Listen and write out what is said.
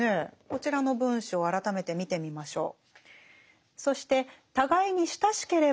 こちらの文章を改めて見てみましょう。